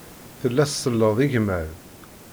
Tella tselleḍ igmaḍ.